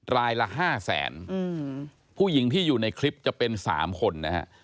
รายละ๕แสนผู้หญิงที่อยู่ในคลิปจะเป็น๓คนนะฮะ